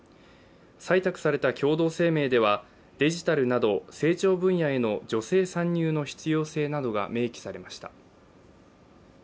採択された共同声明では、デジタルなど成長分野への女性参入の必要性などが明記されました。